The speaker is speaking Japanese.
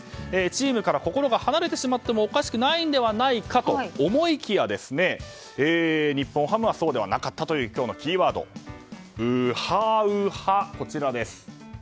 チームから心が離れてしまってもおかしくないのではと思いきや、日本ハムはそうではなかったという今日のキーワード、ウハウハ。